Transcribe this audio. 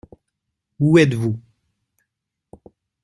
Où êtes-vous ?